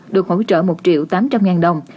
được hỗ trợ một triệu tám trăm linh ngàn đồng